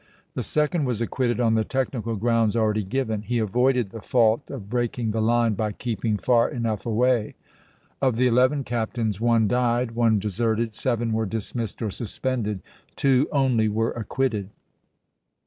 The second was acquitted on the technical grounds already given; he avoided the fault of breaking the line by keeping far enough away. Of the eleven captains one died, one deserted, seven were dismissed or suspended, two only were acquitted.